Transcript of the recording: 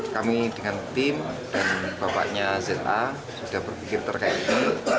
kami dengan tim dan bapaknya za sudah berpikir terkait ini